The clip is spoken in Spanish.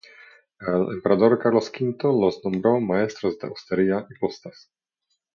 El emperador Carlos V los nombró maestros de hostería y postas.